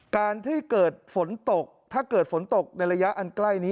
การที่เกิดฝนตกถ้าเกิดฝนตกในระยะอันใกล้นี้